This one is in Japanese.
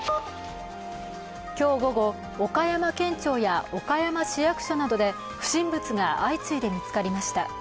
今日、午後、岡山県庁や岡山市役所などで不審物が相次いで見つかりました。